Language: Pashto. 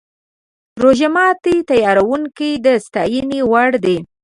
روژه ماتي تیاروونکي د ستاینې وړ دي.